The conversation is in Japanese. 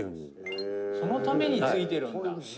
土屋：「そのために付いてるんだ」